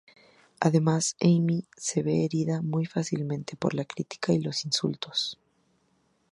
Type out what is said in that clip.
Además, Amy se ve herida muy fácilmente por la crítica y los insultos.